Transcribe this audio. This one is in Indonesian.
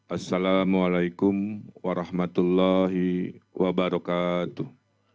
assalamu'alaikum warahmatullahi wabarakatuh